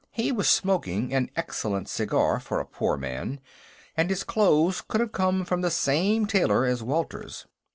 He was smoking an excellent cigar, for a poor man, and his clothes could have come from the same tailor as Walter's.